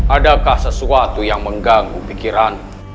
adakah sesuatu yang mengganggu pikiran